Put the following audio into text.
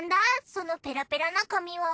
そのペラペラな紙は。